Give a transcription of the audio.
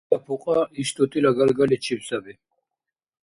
Дила пукьа иш тӀутӀила галгаличиб саби.